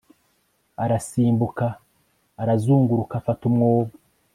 arasimbuka, arazunguruka, afata umwobo